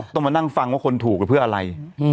ต้องมานั่งฟังว่าคนถูกเพื่ออะไร